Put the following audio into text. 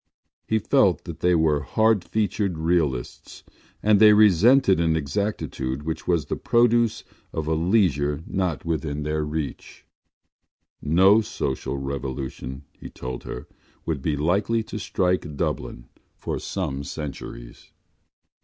He felt that they were hard featured realists and that they resented an exactitude which was the produce of a leisure not within their reach. No social revolution, he told her, would be likely to strike Dublin for some centuries.